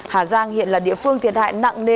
hà giang hiện là địa phương thiệt hại nặng nề